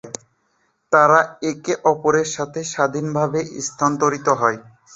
তারা একে অপরের থেকে স্বাধীনভাবে স্থানান্তরিত হয়।